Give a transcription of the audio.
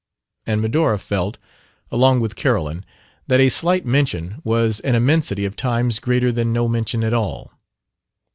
And Medora felt, along with Carolyn, that a slight mention was an immensity of times greater than no mention at all.